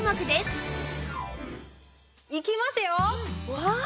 わあ。